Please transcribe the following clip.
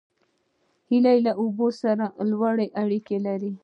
هیلۍ له اوبو سره لوړه اړیکه لري